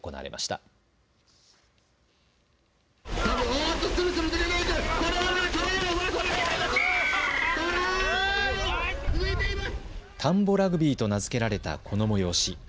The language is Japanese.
たんぼラグビーと名付けられたこの催し。